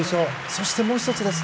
そしてもう１つです。